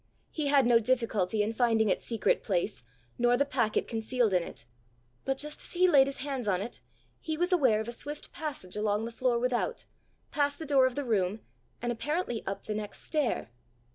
He had no difficulty in finding its secret place, nor the packet concealed in it; but just as he laid his hands on it, he was aware of a swift passage along the floor without, past the door of the room, and apparently up the next stair.